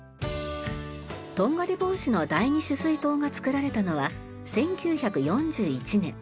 とんがり帽子の第二取水塔が造られたのは１９４１年。